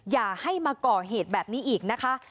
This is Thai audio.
อย่าให้มาก่อเหตุแบบนี้อีกนะคะ